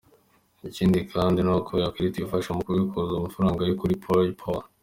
Ikindi kandi ni uko iyi karita ifasha mu kubikuza amafaranga yo kuri PayPal.